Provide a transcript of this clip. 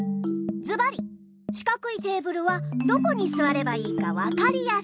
ずばりしかくいテーブルはどこにすわればいいかわかりやすい。